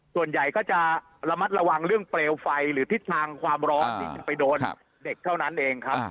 ส่วนใหญ่ก็จะระมัดระวังเรื่องเปลวไฟหรือทิศทางความร้อนที่จะไปโดนเด็กเท่านั้นเองครับ